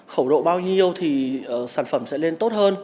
khẩu độ bao nhiêu thì sản phẩm sẽ lên tốt hơn